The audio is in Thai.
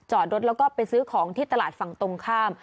จอดรถแล้วก็ไปซื้อของที่ตลาดฝั่งตรงข้าม